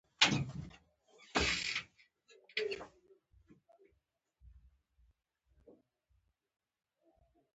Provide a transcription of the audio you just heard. د ماهیپر په لار